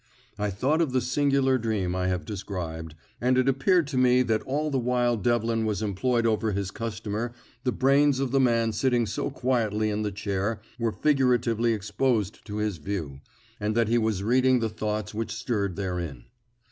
I thought of the singular dream I have described, and it appeared to me that all the while Devlin was employed over his customer the brains of the man sitting so quietly in the chair were figuratively exposed to his view, and that he was reading the thoughts which stirred therein.